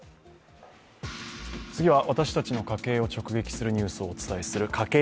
次は私たちの家計を直撃するニュースをお伝えする家計